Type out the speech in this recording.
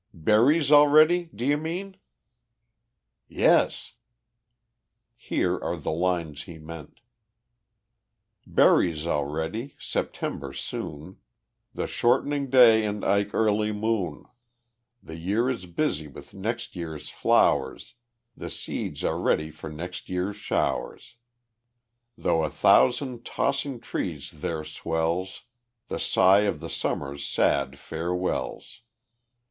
"'Berries already,' do you mean?" "Yes." Here are the lines he meant: _Berries already, September soon, The shortening day and ike early moon; The year is busy with next year's flowers The seeds are ready for next year' showers; Through a thousand tossing trees there swells The sigh of the Summer's sad farewells.